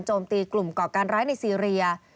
ตีกลุ่มก่อการร้ายในซีเรีย